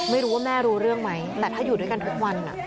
ไม่รู้ว่าแม่รู้เรื่องไหมแต่ถ้าอยู่ด้วยกันทุกวัน